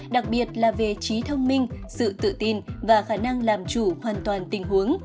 đặc biệt là về trí thông minh sự tự tin và khả năng làm chủ hoàn toàn tình huống